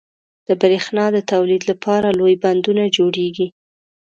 • د برېښنا د تولید لپاره لوی بندونه جوړېږي.